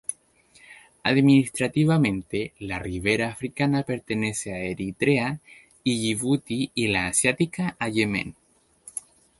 Administrativamente, la ribera africana pertenece a Eritrea y Yibuti y la asiática a Yemen.